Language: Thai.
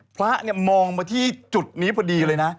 พระเนี่ยมองมาที่จุดนี้พอดีเลยนะ